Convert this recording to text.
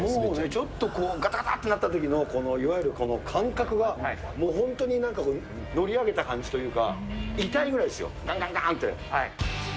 ちょっとこう、がたがたってなったときの、このいわゆるこの感覚は、もう本当になんか乗り上げた感じというか、痛いぐらいですよ。